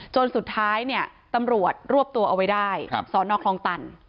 จนสุดท้ายเนี่ยตำรวจรวบตัวเอาไว้ได้สอนอคลองตัน